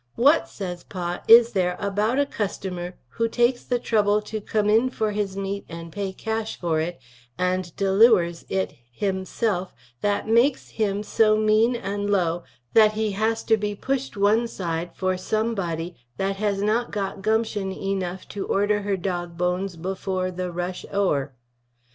What says Pa is there about a cusstamer who takes the trubble to come for his meet & pay cash for it & deliwers it him self that maiks him so Meen & Lo that he hass to be pushed one side for some body that has not got Gumpshun enoughf to order her dog bones before the rush our?